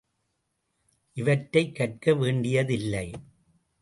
இவற்றைக் கற்க வேண்டியதில்லை.